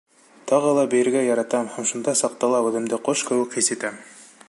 Тағы ла бейергә яратам һәм шундай саҡта ла үҙемде ҡош кеүек хис итәм.